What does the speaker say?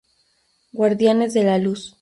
Guardianes de la Luz